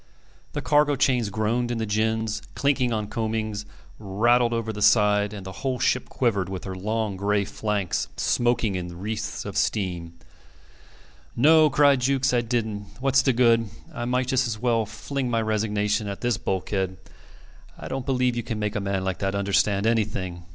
The cargo chains groaned in the gins, clinked on coamings, rattled over the side; and the whole ship quivered, with her long gray flanks smoking in wreaths of steam. "No," cried Jukes, "I didn't. What's the good? I might just as well fling my resignation at this bulkhead. I don't believe you can make a man like that understand anything.